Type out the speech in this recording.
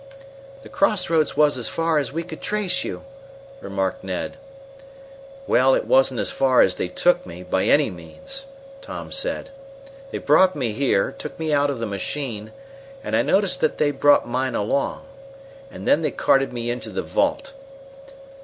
"The crossroads was as far as we could trace you," remarked Ned. "Well, it wasn't as far as they took me, by any means," Tom said. "They brought me here, took me out of the machine and I noticed that they'd brought mine along and then they carted me into the vault.